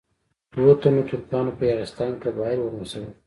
دوه تنه ترکان په یاغستان کې قبایل ولمسول.